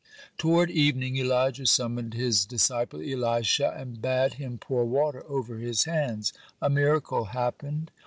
(17) Toward evening Elijah summoned his disciple Elisha, and bade him pour water over his hands. A miracle happened.